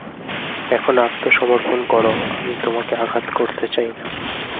এখন আত্মসমর্পণ করো, আমি তোমাকে আঘাত করতে চাই না।